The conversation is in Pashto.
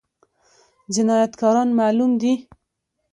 جنايتکاران معلوم دي؟